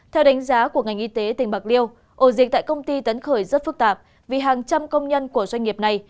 theo đánh giá của ngành y tế tỉnh bạc liêu ổ dịch tại công ty tấn khởi rất phức tạp vì hàng trăm công nhân của doanh nghiệp này